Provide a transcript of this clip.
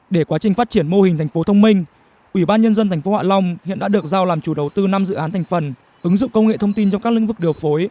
để quá trình phát triển mô hình thành phố thông minh ủy ban nhân dân tp hạ long hiện đã được giao làm chủ đầu tư năm dự án thành phần ứng dụng công nghệ thông tin trong các lĩnh vực điều phối